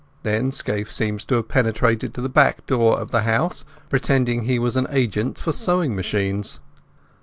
Then Scaife seemed to have penetrated to the back door of the house, pretending he was an agent for sewing machines.